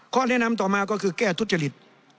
แนะนำต่อมาก็คือแก้ทุจริต